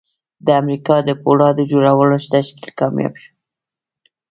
د امریکا د پولاد جوړولو تشکیل کامیاب شو